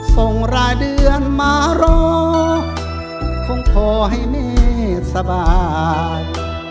ส่งรายเดือนมารอคงพอให้หนี้สบาย